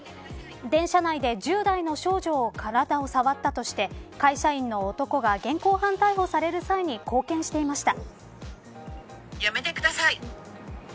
電車内で１０代の少女の体を触ったとして会社員の男が現行犯逮捕される際に、貢献していました。